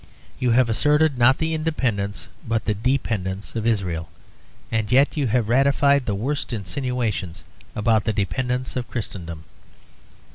You have asserted not the independence but the dependence of Israel, and yet you have ratified the worst insinuations about the dependence of Christendom.